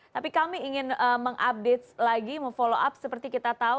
tapi kami ingin mengupdate lagi memfollow up seperti kita tahu